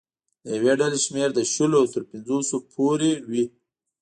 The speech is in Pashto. د یوې ډلې شمېر له شلو تر پنځوسو پورې وي.